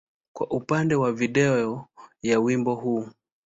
kwa upande wa video ya wimbo huu.